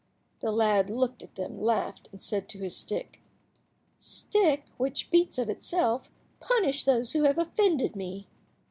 The lad looked at them, laughed, and said to his stick— "Stick, which beats of itself, punish those who have offended me."